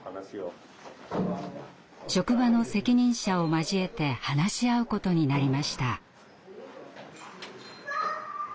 職場の責任者を交えて話し合うことになりました。